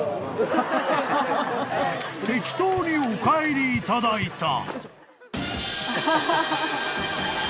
［適当にお帰りいただいた］